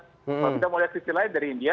kalau kita mau lihat sisi lain dari india